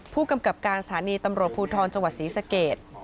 ผู้กำกับการสถานีตำรวจภูทรจังหวัดศรีสเกต